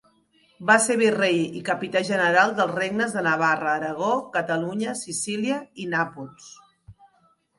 Va ser Virrei i capità general dels regnes de Navarra, Aragó, Catalunya, Sicília i Nàpols.